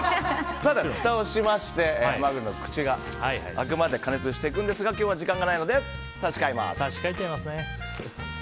ふたをしましてハマグリの口が開くまで加熱していくんですが今日は時間がないので差し替えます。